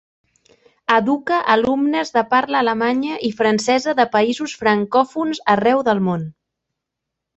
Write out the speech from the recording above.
Educa alumnes de parla alemanya i francesa de països francòfons arreu del món.